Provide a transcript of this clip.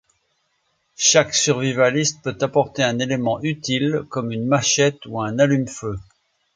Chaque survivaliste peut apporter un élément utile, comme une machette ou un allume-feu.